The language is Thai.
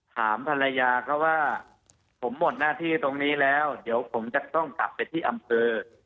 ถามภรรยาเขาว่าผมหมดหน้าที่ตรงนี้แล้วเดี๋ยวผมจะต้องกลับไปที่อำเภอ